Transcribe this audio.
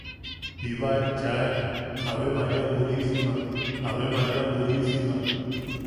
Jiba aet chaen: –¡Ave María purísima! ¡Ave María purísima!